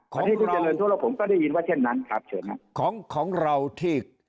ของเราผมก็ได้ยินว่าเช่นนั้นครับเฉินครับของเราที่